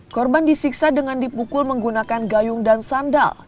korban disiksa dengan dipukul menggunakan gayung dan sandal